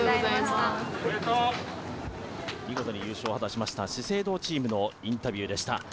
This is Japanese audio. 見事に優勝を果たしました資生堂チームのインタビューでした。